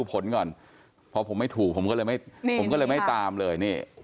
เพราะพอผมไม่ถูกผมก็เลยไม่ตามเลย